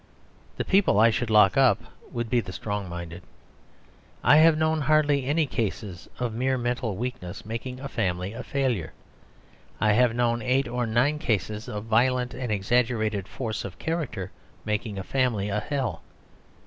The people I should lock up would be the strong minded. I have known hardly any cases of mere mental weakness making a family a failure; I have known eight or nine cases of violent and exaggerated force of character making a family a hell.